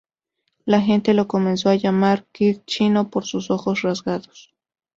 La gente lo comenzó a llamar "Kid Chino" por sus ojos rasgados.